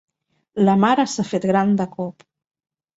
La mare s'ha fet gran de cop.